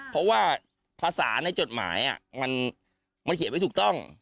เพราะว่าภาษาในจดหมายมันเขียนไว้ถูกต้อง